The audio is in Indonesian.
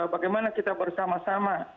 bagaimana kita bersama sama